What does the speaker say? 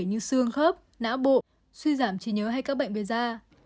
như xương khớp não bộ suy giảm trí nhớ hay các bệnh về da